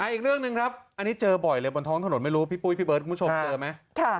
อีกเรื่องหนึ่งครับอันนี้เจอบ่อยเลยบนท้องถนนไม่รู้พี่ปุ้ยพี่เบิร์ดคุณผู้ชมเจอไหม